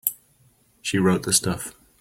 She wrote the stuff.